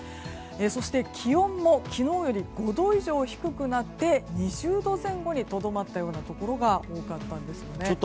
そして気温も昨日より５度以上低くなって２０度前後にとどまったようなところが多かったんですよね。